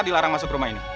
dilarang masuk rumah ini